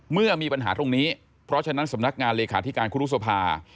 เมื่อมีปัญหาตรงนี้เพราะฉะนั้นสำนักงานเลขาธิการครูรุษภา